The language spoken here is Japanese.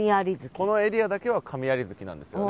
このエリアだけは神在月なんですよね。